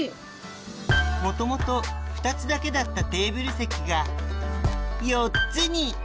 元々２つだけだったテーブル席が４つに！